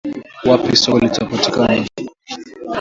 wapi soko litapatikana